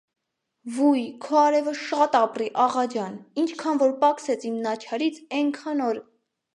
Վույ, քու արևը շատ ապրի, աղա ջան, ինչքան որ պակսեց իմ նաչարից, էնքան օր…